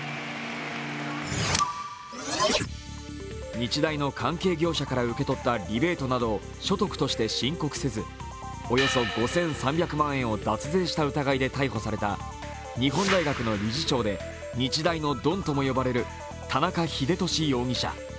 日大の関係業者から受け取ったリベートなどを所得として申告せず、およそ５３００万円を脱税した疑いで逮捕された日本大学の理事長で日大のドンとも呼ばれる田中英寿容疑者。